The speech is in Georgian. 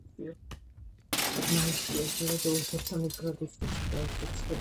ბიოლოგიური მრავალფეროვნების ტიპები ურთიერთდამოკიდებულებაში იმყოფებიან.